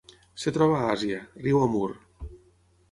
Es troba a Àsia: riu Amur.